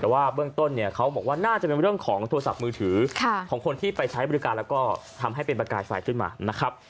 แต่ว่าเบื้องต้นเนี่ยเขาบอกว่าน่าจะเป็นเรื่องของโทรศัพท์มือถือของคนที่ไปใช้บริการแล้วก็ทำให้เป็นประกายไฟขึ้นมานะครับ